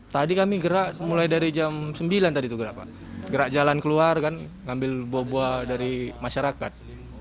tadi kami gerak mulai dari jam sembilan tadi gerak jalan keluar kan ngambil buah buah dari masyarakat